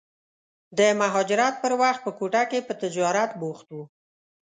د مهاجرت پر وخت په کوټه کې په تجارت بوخت و.